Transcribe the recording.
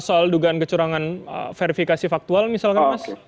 soal dugaan kecurangan verifikasi faktual misalkan mas